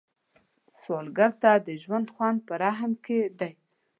سوالګر ته د ژوند خوند په رحم کې دی